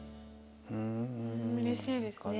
うれしいですね。